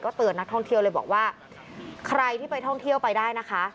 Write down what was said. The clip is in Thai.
เตือนนักท่องเที่ยวเลยบอกว่าใครที่ไปท่องเที่ยวไปได้นะคะ